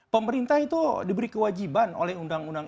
pemerintah itu diberi kewajiban oleh undang undang